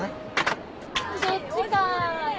そっちか。